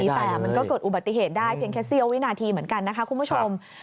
แต่มันก็เกิดอุบัติเหตุได้เพียงแค่เสี้ยววินาทีเหมือนกันนะคะคุณผู้ชม